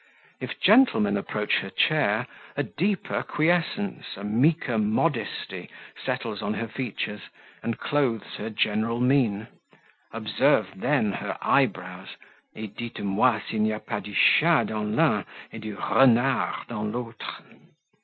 If gentlemen approach her chair, a deeper quiescence, a meeker modesty settles on her features, and clothes her general mien; observe then her eyebrows, et dites moi s'il n'y a pas du chat dans l'un et du renard dans l'autre."